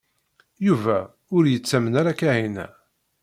Yuba ur yettamen ara Kahina.